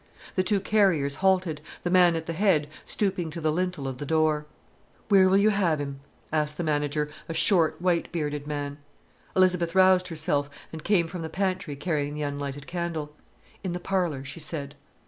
The two carriers halted, the man at the head stooping to the lintel of the door. "Wheer will you have him?" asked the manager, a short, white bearded man. Elizabeth roused herself and came from the pantry carrying the unlighted candle. "In the parlour," she said.